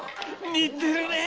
似てるねえ！